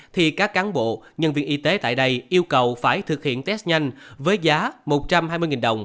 thì các cán bộ nhân viên y tế tại đây yêu cầu phải thực hiện test nhanh với giá một trăm hai mươi đồng